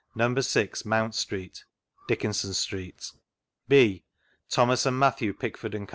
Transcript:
No. 6, Moimt Street, Dickinson Street. {b) Thomas & Matthew Pickford &Co.